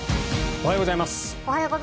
おはようございます。